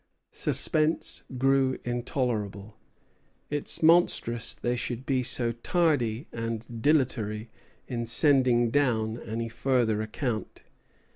Suspense grew intolerable. "It's monstrous they should be so tardy and dilatory in sending down any farther account."